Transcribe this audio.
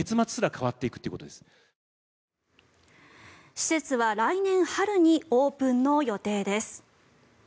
施設は来年春にオープンの予定です。